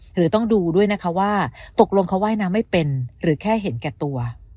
หรือต้องดูด้วยนะคะว่าตกลงเขาว่ายน้ำไม่เป็นหรือแค่เห็นแก่ตัว